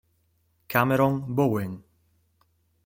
Cameron Bowen